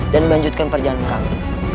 dan melanjutkan perjalanan kami